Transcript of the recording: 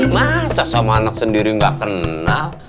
masa sama anak sendiri gak kenal